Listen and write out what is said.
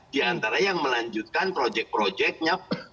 di antara yang melanjutkan projek projeknya